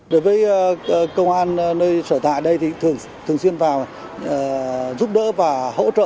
đối với công an nơi sở thại đây thì thường xuyên vào giúp đỡ và hỗ trợ